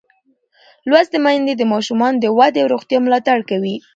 لوستې میندې د ماشوم د ودې او روغتیا ملاتړ کوي.